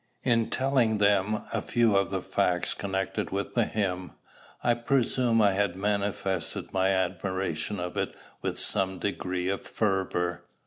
In telling them a few of the facts connected with the hymn, I presume I had manifested my admiration of it with some degree of fervor.